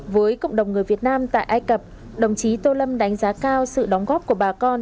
với cộng đồng người việt nam tại ai cập đồng chí tô lâm đánh giá cao sự đóng góp của bà con